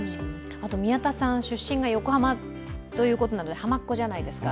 宮田さん、出身が横浜ということなんでハマっ子じゃないですか